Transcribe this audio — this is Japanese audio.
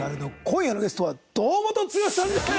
今夜のゲストは堂本剛さんです！